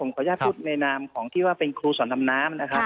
ขออนุญาตพูดในนามของที่ว่าเป็นครูสอนดำน้ำนะครับ